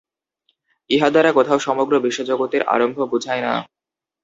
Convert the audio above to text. ইহা দ্বারা কোথাও সমগ্র বিশ্বজগতের আরম্ভ বুঝায় না।